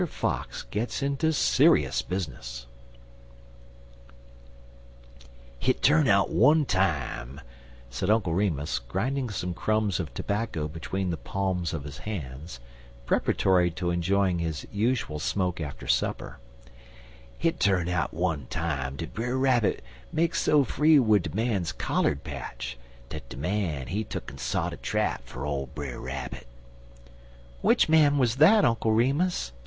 FOX GETS INTO SERIOUS BUSINESS "HIT turn out one time," said Uncle Remus, grinding some crumbs of tobacco between the palms of his hands, preparatory to enjoying his usual smoke after supper "hit turn out one time dat Brer Rabbit make so free wid de man's collard patch dat de man he tuck'n sot a trap fer ole Brer Rabbit." "Which man was that, Uncle Remus?"